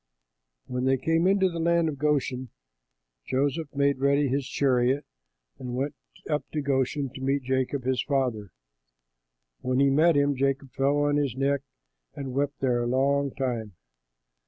When they came into the land of Goshen, Joseph made ready his chariot, and went up to Goshen to meet Jacob his father. When he met him, Jacob fell on his neck and wept there a long time.